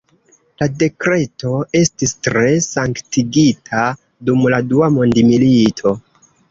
La dekreto estis tre sanktigita dum la Dua Mondmilito.